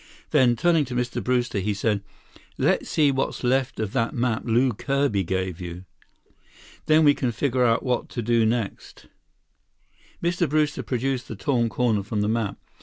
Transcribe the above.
Then, turning to Mr. Brewster, he said, "Let's see what's left of that map Lew Kirby gave you. Then we can figure what to do next." Mr. Brewster produced the torn corner from the map.